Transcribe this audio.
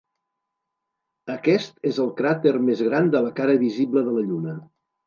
Aquest és el cràter més gran de la cara visible de la Lluna.